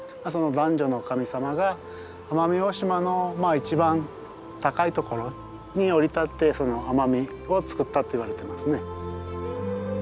男女の神様が奄美大島の一番高いところに降り立って奄美を創ったっていわれてますね。